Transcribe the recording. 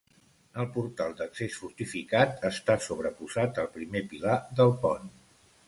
El portal d'accés, fortificat, està sobreposat al primer pilar del pont.